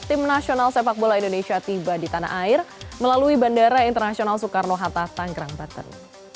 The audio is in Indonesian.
tim nasional sepak bola indonesia tiba di tanah air melalui bandara internasional soekarno hatta tanggerang banten